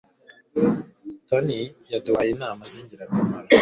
Tony yaduhaye inama zingirakamaro.